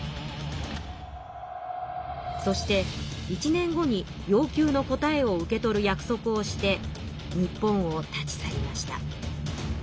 そして１年後に要求の答えを受け取る約束をして日本を立ち去りました。